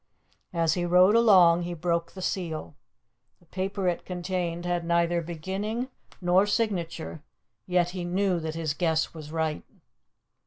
As he rode along he broke the seal. The paper it contained had neither beginning nor signature, yet he knew that his guess was right.